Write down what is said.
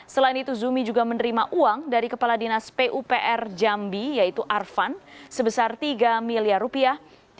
selain itu zumi juga menerima uang dari kepala dinas pupr jambi yaitu arfan sebesar tiga miliar rupiah